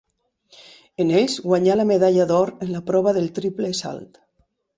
En ells guanyà la medalla d'or en la prova del triple salt.